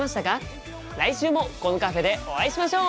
来週もこのカフェでお会いしましょう！